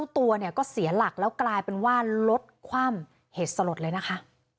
ตัวเนี่ยก็เสียหลักแล้วกลายเป็นว่ารถคว่ำเหตุสลดเลยนะคะ